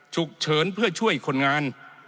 ฉุกเฉินเพื่อช่วยคนงาน